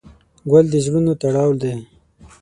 ګل د زړونو تړاو دی.